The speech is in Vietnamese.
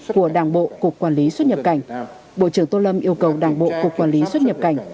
của đảng bộ cục quản lý xuất nhập cảnh bộ trưởng tô lâm yêu cầu đảng bộ cục quản lý xuất nhập cảnh